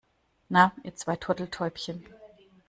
Na, ihr zwei Turteltäubchen.